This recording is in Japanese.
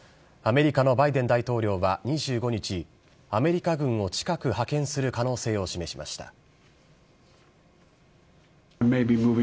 アメリカのバイデン大統領は２５日、アメリカ軍を近く派遣する可能性を示しました。